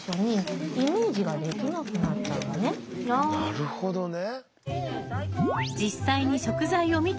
なるほどね。